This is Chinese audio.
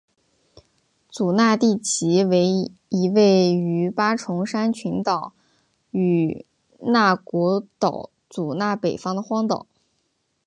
祖纳地崎为一位于八重山群岛与那国岛祖纳北方的荒岛。